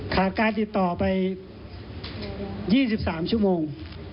ขาดการติดต่อไป๒๓ชั่วโมง